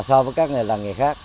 so với các làng nghề khác